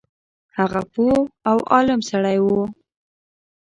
هغه پوه او عالم سړی وو.